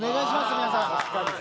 皆さん。